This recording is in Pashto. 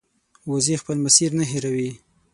وزې خپل مسیر نه هېروي